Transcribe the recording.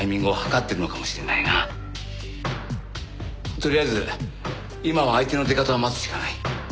とりあえず今は相手の出方を待つしかない。